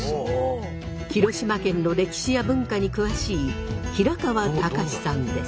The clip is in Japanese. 広島県の歴史や文化に詳しい平川孝志さんです。